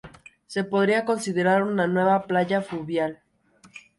Se podría considerar una playa fluvial.